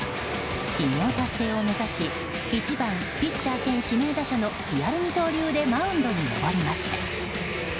偉業達成を目指し１番ピッチャー兼指名打者のリアル二刀流でマウンドに登りました。